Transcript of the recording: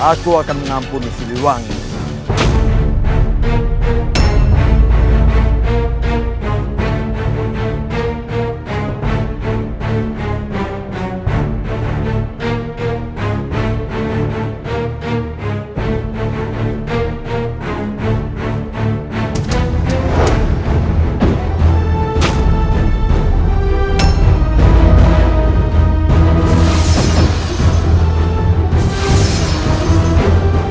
aku akan mengampuni si luanya